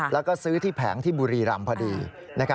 แล้วก็ซื้อที่แผงที่บุรีรำพอดี